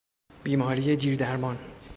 بیماری دیر درمان